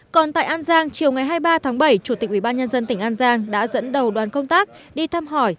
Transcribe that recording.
còn tại an giang chiều ngày hai mươi ba tháng bảy chủ tịch ubnd tỉnh an giang đã dẫn đầu đoàn công tác đi thăm hỏi